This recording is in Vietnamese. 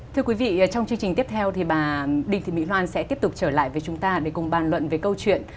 thưa quý vị trong chương trình tiếp theo thì bà đinh thị mỹ hoan sẽ tiếp tục trở lại với chúng ta để cùng bàn luận về câu chuyện